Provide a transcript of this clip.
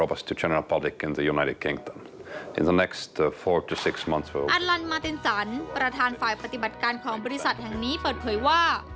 ลันมาตินจันประธานฝ่ายปฏิบัติการของบริษัทแห่งนี้เปิดเผยว่า